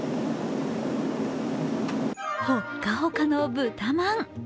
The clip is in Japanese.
ほっかほかの豚まん。